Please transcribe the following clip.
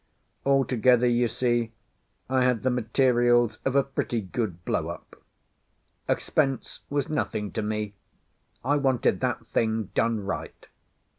Altogether, you see, I had the materials of a pretty good blow up! Expense was nothing to me; I wanted that thing done right.